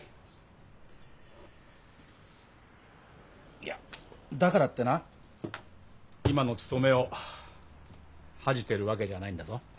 いやだからってな今の勤めを恥じてるわけじゃないんだぞ。